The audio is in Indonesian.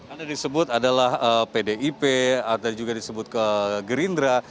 ada disebut adalah pdip ada juga disebut ke gerindra